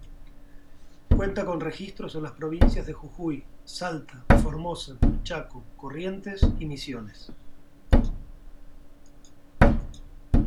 Cuenta con registros en las provincias de: Jujuy, Salta, Formosa, Chaco, Corrientes, y Misiones.